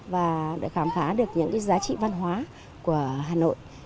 và để khám phá được những cái giá trị văn hóa của hà nội